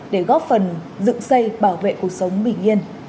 để góp phần dựng xây bảo vệ cuộc sống bình yên